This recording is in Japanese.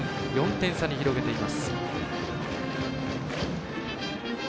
４点差に広げています。